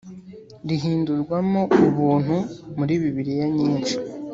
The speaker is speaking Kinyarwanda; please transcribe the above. rihindurwamo “ubuntu” muri Bibiliya nyinsh